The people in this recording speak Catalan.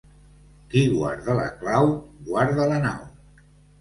Qui guarda la clau guarda la nau.